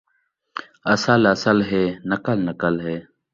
اصل اصل ہے، نقل نقل ہے